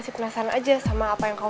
siapa tau dia mau